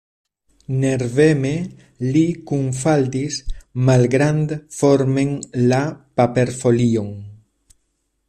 Nerveme li kunfaldis malgrandformen la paperfolion.